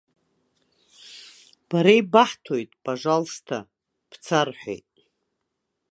Бара ибаҳҭоит, пажалсҭа, бца рҳәеит.